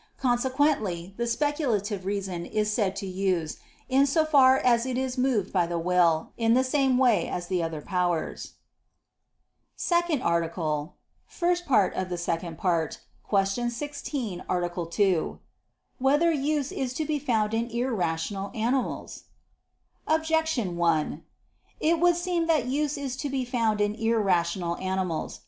Consequently the speculative reason is said to use, in so far as it is moved by the will, in the same way as the other powers. ________________________ SECOND ARTICLE [I II, Q. 16, Art. 2] Whether Use Is to Be Found in Irrational Animals? Objection 1: It would seem that use is to be found in irrational animals.